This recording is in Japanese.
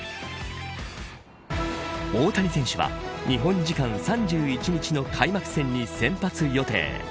大谷選手は日本時間３１日の開幕戦に先発予定。